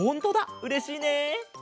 うれしいねえ。